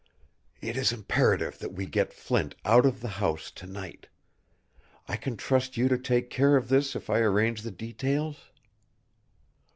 "It is imperative that we get Flint out of the house to night. I can trust you to take care of this if I arrange the details?"